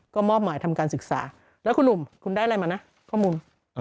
ก็มอบหมายทำการศึกษาแล้วคุณหนุ่มคุณได้อะไรมานะข้อมูล